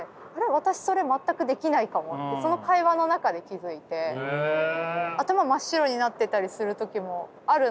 私それ全くできないかもってその会話の中で気付いて頭真っ白になってたりする時もあるなと思って。